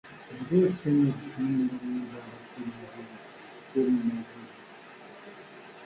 Bɣiɣ kan ad snamreɣ Yuba ɣef umahil-is.